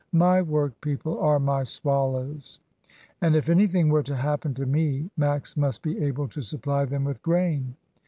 My work people are my swallows, and if anything were to happen to me, Max must be able to supply them with grain.